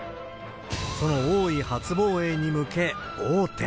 その王位初防衛に向け王手。